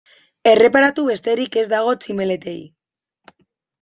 Erreparatu besterik ez dago tximeletei.